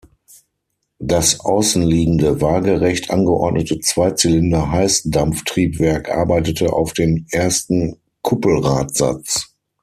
Das außenliegende waagerecht angeordnete Zweizylinder-Heißdampftriebwerk arbeitete auf den ersten Kuppelradsatz.